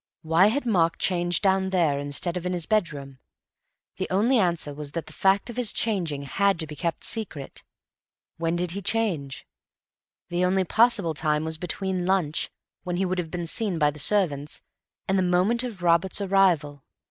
Why had Mark changed down there instead of in his bedroom? The only answer was that the fact of his changing had to be kept secret. When did he change? The only possible time was between lunch (when he would be seen by the servants) and the moment of Robert's arrival.